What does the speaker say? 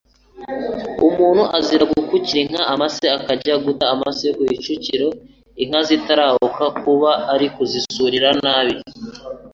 Umuntu azira gukukira inka, maze akajya guta amase mu icukiro inka zitarahuka Kuba ari ukuzisurira nabi